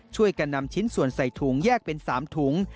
ช่วยกันนำชิ้นส่วนใส่ถุงแยกเป็น๓ถุง